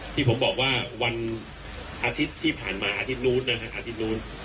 ที่ผมบอกว่าวันอาทิตย์ที่ผ่านมาอาทิตย์นู้นนะฮะอาทิตย์นู้น